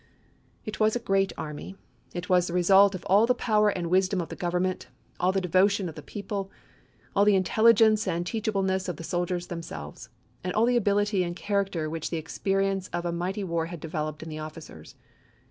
It was a great army ; it was the result of all the power and wisdom of the Government, all the de votion of the people, all the intelligence and teach ableness of the soldiers themselves, and all the ability and character which the experience of a mighty war had developed in the officers.